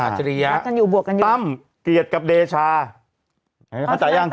อัชริยะรักกันอยู่บวกกันอยู่ตั้มเกลียดกับเดชาเห็นไหมเขาตายอย่าง